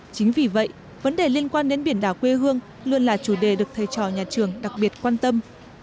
chính vì vậy vấn đề liên quan đến biển đảo quê hương luôn là chủ đề được thầy trò nhà trường đặc biệt quan tâm